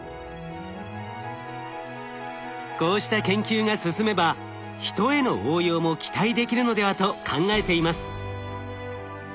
こうした研究が進めばヒトへの応用も期待できるのではと考えています。